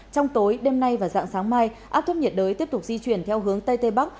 trong tối đêm nay và dạng sáng mai áp thấp nhiệt đới tiếp tục di chuyển theo hướng tây tây bắc